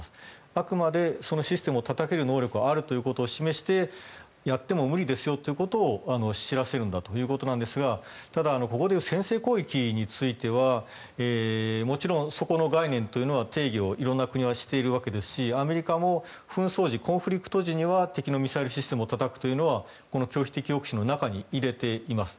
あくまでそのシステムがたたけることを示してやっても無理ですよと示すということですがただ、ここでいう先制攻撃についてはもちろんそこの概念というのは定義を色んな国はしているわけですしアメリカも紛争時、コンフリクト時には敵のミサイルシステムをたたくというのはこの拒否的抑止の中に入れています。